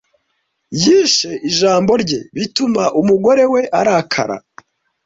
Yishe ijambo rye, bituma umugore we arakara.